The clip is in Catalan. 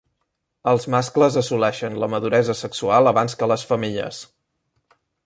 Els mascles assoleixen la maduresa sexual abans que les femelles.